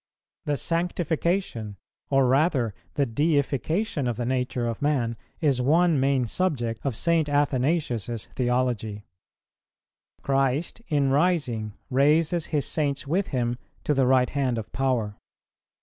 The sanctification, or rather the deification of the nature of man, is one main subject of St. Athanasius's theology. Christ, in rising, raises His Saints with Him to the right hand of power.